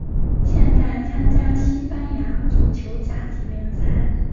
现在参加西班牙足球甲级联赛。